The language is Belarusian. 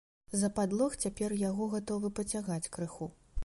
За падлог цяпер яго гатовы пацягаць крыху.